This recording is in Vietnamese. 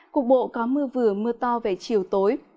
cục bộ có mưa vừa mưa to về chiều tối